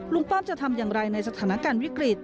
ป้อมจะทำอย่างไรในสถานการณ์วิกฤต